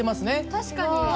確かに。